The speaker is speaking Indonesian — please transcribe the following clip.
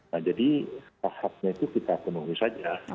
nah jadi hak haknya itu kita penuhi saja